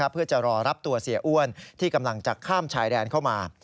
เพื่อจะรอรับตัวเสียอ้วนที่กำลังจะข้ามชายแดนเข้ามา